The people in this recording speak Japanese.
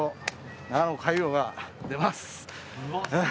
長野塊王が出ます。